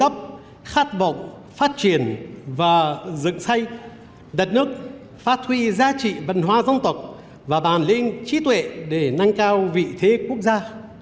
phát huy giá trị văn hóa dân tộc và bàn linh trí tuệ để nâng cao vị thế quốc gia